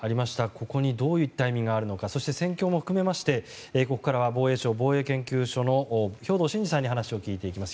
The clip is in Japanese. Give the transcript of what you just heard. ここにどういった意味があるのかそして、戦況も含めましてここからは防衛省防衛研究所の兵頭慎治さんに話を聞いていきます。